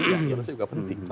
itu juga penting